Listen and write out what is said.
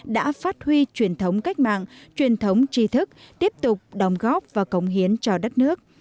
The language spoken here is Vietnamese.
đã phát huy truyền thống cách mạng truyền thống tri thức tiếp tục đóng góp và cống hiến cho đất nước